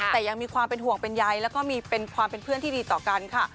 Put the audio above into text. แต่ยังมีความเป็นห่วงเป็นใยแล้วก็มีความเป็นเพื่อนที่ดีต่อกันค่ะ